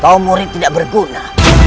kau murid tidak berguna